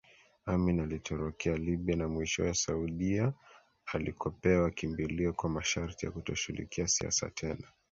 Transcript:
Amin alitorokea Libya na mwishowe Saudia alikopewa kimbilio kwa masharti ya kutoshughulikia Siasa tena